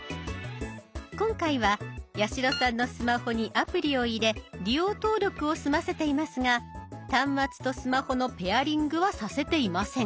今回は八代さんのスマホにアプリを入れ利用登録を済ませていますが端末とスマホのペアリングはさせていません。